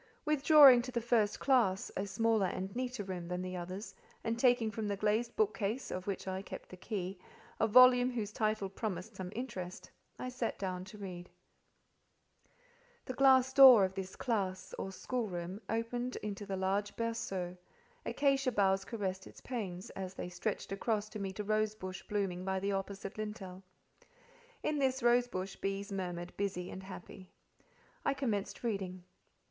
Withdrawing to the first classe, a smaller and neater room than the others, and taking from the glazed bookcase, of which I kept the key, a volume whose title promised some interest, I sat down to read. The glass door of this "classe," or schoolroom, opened into the large berceau; acacia boughs caressed its panes, as they stretched across to meet a rose bush blooming by the opposite lintel: in this rose bush bees murmured busy and happy. I commenced reading.